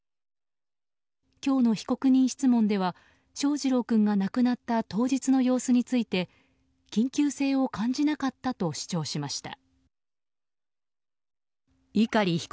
今日の被告人質問では翔士郎君が亡くなった当日の様子について緊急性を感じなかったと主張しました。